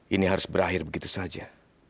ini harus berakhir begitu saja